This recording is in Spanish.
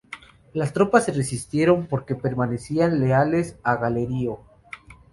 Las tropas se resistieron porque permanecían leales a Galerio.